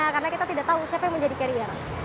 karena kita tidak tahu siapa yang menjadi carrier